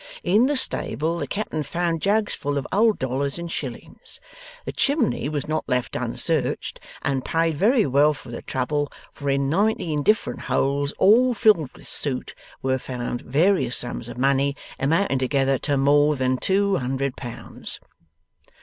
In the stable the Captain found jugs full of old dollars and shillings. The chimney was not left unsearched, and paid very well for the trouble; for in nineteen different holes, all filled with soot, were found various sums of money, amounting together to more than two hundred pounds."